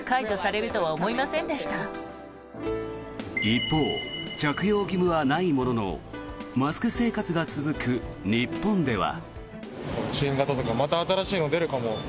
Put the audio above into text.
一方、着用義務はないもののマスク生活が続く日本では。